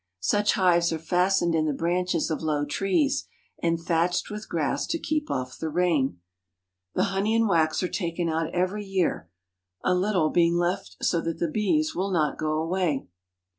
Such hives are fastened in the branches of low trees, and thatched with grass to keep off the rain. The ANGOLA, OR PORTUGUESE WEST AFRICA 329 honey and wax are taken out every year, a little being left so that the bees will not go away.